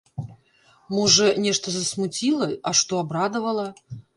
Можа, нешта засмуціла, а што абрадавала?